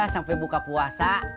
sampai buka puasa